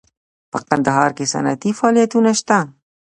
په کندهار کې صنعتي فعالیتونه شته